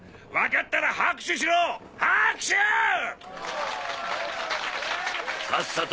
分かったら拍手しろ拍手！